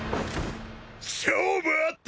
勝負あったな！